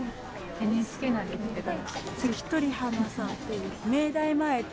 ＮＨＫなんですけど。